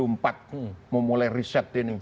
mau mulai riset ini